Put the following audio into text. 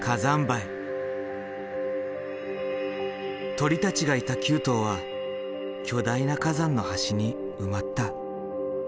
鳥たちがいた旧島は巨大な火山の端に埋まった。